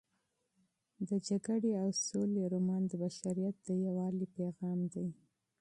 د جګړې او سولې رومان د بشریت د یووالي پیغام دی.